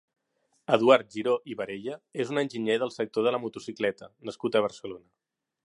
Eduard Giró i Barella és un enginyer del sector de la motocicleta nascut a Barcelona.